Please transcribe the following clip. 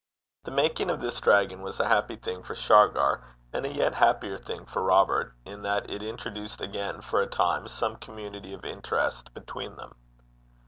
The making of this dragon was a happy thing for Shargar, and a yet happier thing for Robert, in that it introduced again for a time some community of interest between them.